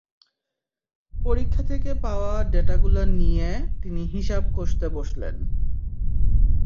পরীক্ষা থেকে পাওয়া ডেটাগুলো নিয়ে তিনি হিসাব কষতে বসলেন।